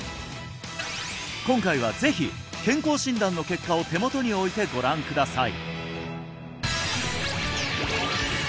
今回はぜひ健康診断の結果を手元に置いてご覧ください！